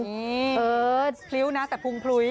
นี่พริ้วนะแต่พุงพลุย